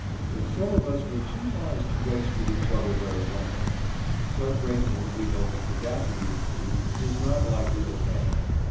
But some of us were too wise to race with each other very long. Such racing, we had the sagacity to see, was not likely to pay.